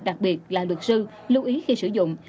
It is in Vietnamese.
đặc biệt là luật sư lưu ý khi sử dụng